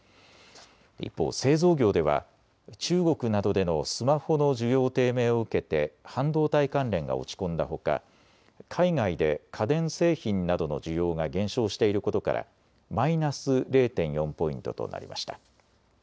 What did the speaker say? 一方、製造業では中国などでのスマホの需要低迷を受けて半導体関連が落ち込んだほか海外で家電製品などの需要が減少していることからマイナス０．４ポイントとなりました。